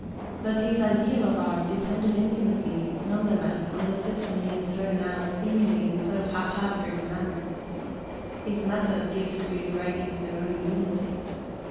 But his ideal of art depended intimately, none the less, on the system he had thrown out seemingly in so haphazard a manner. His method gives to his writings their only unity.